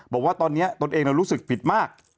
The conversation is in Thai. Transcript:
บอกว่าตอนนี้ตนเองรู้สึกผิดมาก